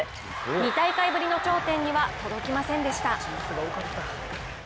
２大会ぶりの頂点には届きませんでした。